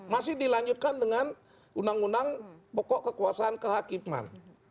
masih dilanjutkan dengan undang undang pokok kekuasaan kehakiman